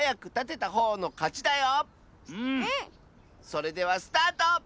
それではスタート！